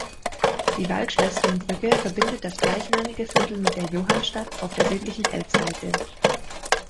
Die Waldschlößchenbrücke verbindet das gleichnamige Viertel mit der Johannstadt auf der südlichen Elbseite.